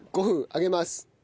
５分揚げます。